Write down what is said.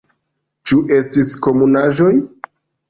Ĉu estis komunaĵoj?